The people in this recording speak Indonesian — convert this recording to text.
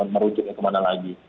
merujuknya kemana lagi